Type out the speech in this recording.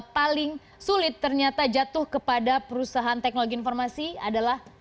paling sulit ternyata jatuh kepada perusahaan teknologi informasi adalah